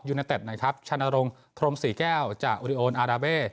ยูเนตเต็ดนะครับชันโรงทรมศรีแก้วจากอุริโอนอาราเบ่